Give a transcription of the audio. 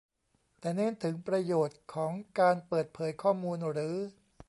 แต่เน้นถึงประโยชน์ของการเปิดเผยข้อมูลหรือ